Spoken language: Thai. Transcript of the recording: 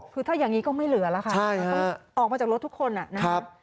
คือถ้าอย่างนี้ก็ไม่เหลือแล้วค่ะต้องออกมาจากรถทุกคนนะครับ